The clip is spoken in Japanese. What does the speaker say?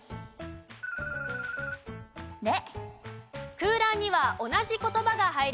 空欄には同じ言葉が入ります。